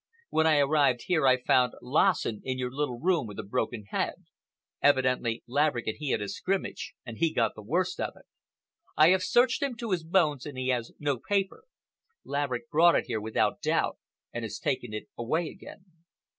When I arrived here, I found Lassen in your little room with a broken head. Evidently Laverick and he had a scrimmage and he got the worst of it. I have searched him to his bones and he has no paper. Laverick brought it here, without a doubt, and has taken it away again."